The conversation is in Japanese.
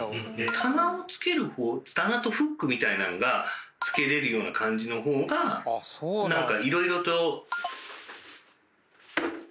棚をつけるほう棚とフックみたいなんがつけれるような感じのほうが何かいろいろと。